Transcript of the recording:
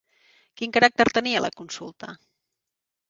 Quin caràcter tenia la consulta?